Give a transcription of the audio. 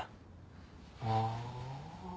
ああ。